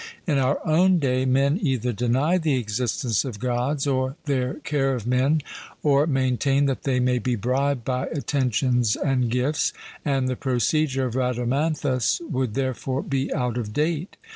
In our own day, men either deny the existence of Gods or their care of men, or maintain that they may be bribed by attentions and gifts; and the procedure of Rhadamanthus would therefore be out of date.